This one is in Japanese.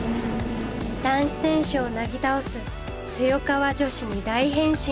男子選手をなぎ倒すツヨカワ女子に大変身！